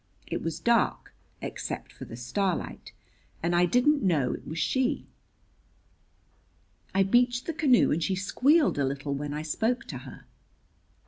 It was dark, except for the starlight, and I didn't know it was she. I beached the canoe and she squealed a little when I spoke to her."